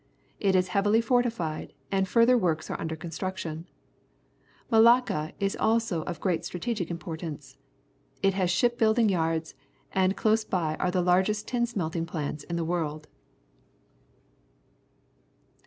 It is heavily fortified, and further works are under construction. Malacca also is of great strategic importance. It has ship building yards, and close by are the largest tin smelting plants in the world.